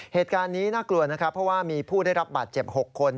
เหตุการณ์นี้น่ากลัวนะครับเพราะว่ามีผู้ได้รับบาดเจ็บ๖คน